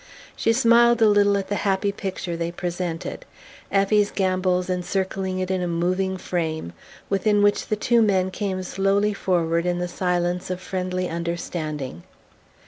She smiled a little at the happy picture they presented, Effie's gambols encircling it in a moving frame within which the two men came slowly forward in the silence of friendly understanding.